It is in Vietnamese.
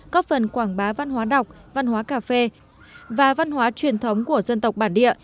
có phần quảng bá văn hóa đọc văn hóa cà phê và văn hóa truyền thống của dân tộc bản địa